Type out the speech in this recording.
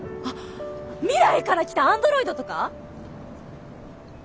あっ未来から来たアンドロイドとか？